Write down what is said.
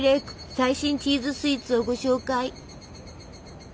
最新チーズスイーツをご紹介。